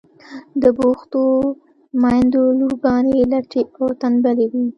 د بوختو میندو لورگانې لټې او تنبلې وي.